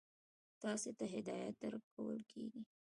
تاسې ته هدایت درکول کیږي.